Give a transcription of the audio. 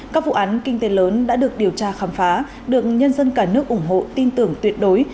các vụ án kinh tế lớn đã được điều tra khám phá được nhân dân cả nước ủng hộ tin tưởng tuyệt đối